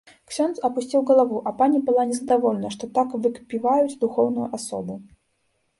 Ксёндз апусціў галаву, а пані была незадаволена, што так выкпіваюць духоўную асобу.